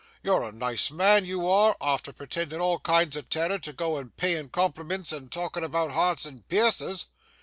You're a nice man, you are, arter pretendin' all kinds o' terror, to go a payin' compliments and talkin' about hearts and piercers.